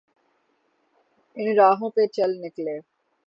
ان راہوں پہ چل نکلے۔